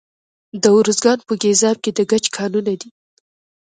د ارزګان په ګیزاب کې د ګچ کانونه دي.